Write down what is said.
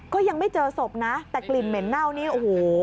ก็ยังไม่เจอศพนะแต่กลิ่นเหม็นเน่านี่โอ้โห